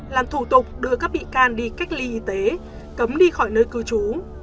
làm thủ tục đưa các bị can đi cách ly y tế cấm đi khỏi nơi cư trú